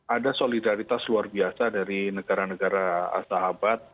ada solidaritas luar biasa dari negara negara sahabat